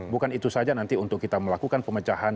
bukan itu saja nanti untuk kita melakukan pemecahan